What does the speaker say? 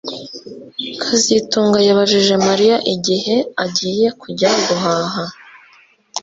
kazitunga yabajije Mariya igihe agiye kujya guhaha